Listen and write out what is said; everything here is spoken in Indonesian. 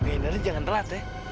nggak ini aja jangan telat ya